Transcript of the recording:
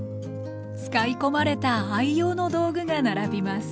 使い込まれた愛用の道具が並びます